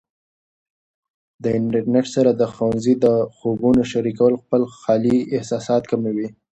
د انټرنیټ سره د ښوونځي د خوبونو شریکول خپل خالي احساسات کموي.